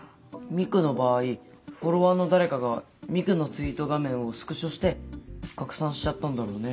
ミクの場合フォロワーの誰かがミクのツイート画面をスクショして拡散しちゃったんだろうね。